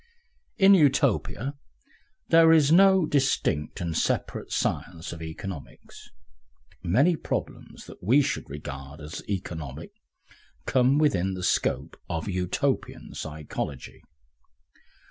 In Utopia there is no distinct and separate science of economics. Many problems that we should regard as economic come within the scope of Utopian psychology.